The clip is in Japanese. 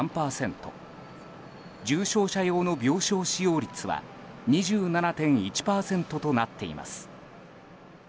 重症者用の病床使用率は２７．１％となっています。